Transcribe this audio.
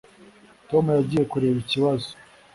Tom yagiye kureba ikibazo.